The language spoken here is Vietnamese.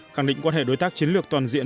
khẳng định quan hệ đối tác chiến lược toàn diện